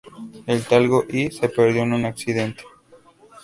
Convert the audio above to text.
El Talgo I se perdió en un accidente.